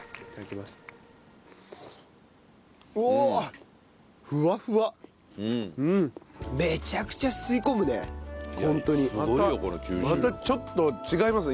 またまたちょっと違いますね